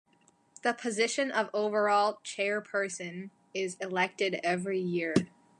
The position of overall chairperson is elected every year.